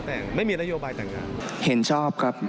ยังไม่ได้มั่นต์อะไรครับ